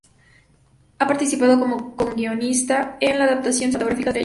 Ha participado como coguionista en la adaptación cinematográfica de La Estrella.